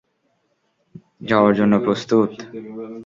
যাওয়ার জন্য প্রস্তুত?